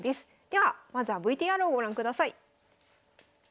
ではまずはＶＴＲをご覧ください。